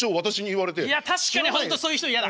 いや確かに本当そういう人嫌だ！